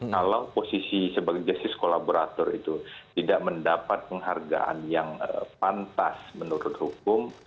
kalau posisi sebagai justice kolaborator itu tidak mendapat penghargaan yang pantas menurut hukum